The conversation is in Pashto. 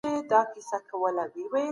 د یتیم سر سیوري کول ستر اجر لري.